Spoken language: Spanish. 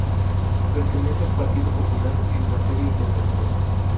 Pertenece al Partido Popular en materia internacional.